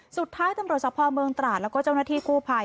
สุดท้ายตำรวจสะพอเมืองตราดแล้วก็เจ้าหน้าที่กู้ภัย